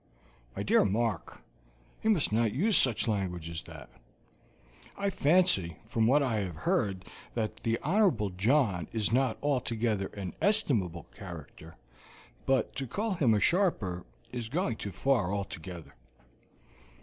"My dear Mark, you must not use such language as that. I fancy from what I have heard that the Honorable John is not altogether an estimable character, but to call him a sharper is going too far altogether."